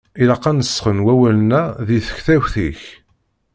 Ilaq ad nesxen wawalen-a deg tektawt-ik.